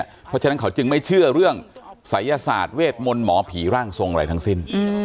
เพราะฉะนั้นเขาจึงไม่เชื่อเรื่องศัยศาสตร์เวทมนต์หมอผีร่างทรงอะไรทั้งสิ้น